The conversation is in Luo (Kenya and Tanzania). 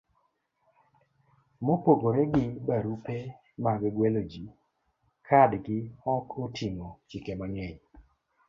Mopogore gi barupe mag gwelo ji, kadgi ok oting'o chike mang'eny: